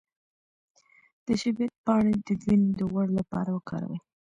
د شبت پاڼې د وینې د غوړ لپاره وکاروئ